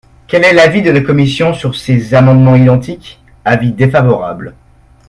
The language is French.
Quel est l’avis de la commission sur ces amendements identiques ? Avis défavorable.